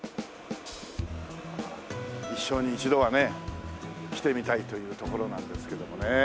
一生に一度はね来てみたいという所なんですけどもねえ。